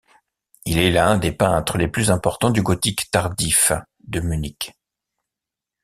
Il est l’un des peintres les plus importants du gothique tardif de Munich.